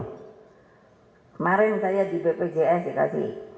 kemarin saya di bpjs dikasih